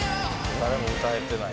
誰も歌ってない。